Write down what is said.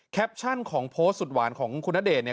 แคปชั่นของโพสต์สุดหวานของคุณณเดชน์เนี่ย